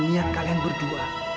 niat kalian berdua